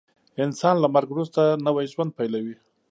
انسان له مرګ وروسته نوی ژوند پیلوي